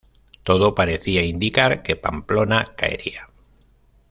Todo parecía indicar que Pamplona caería.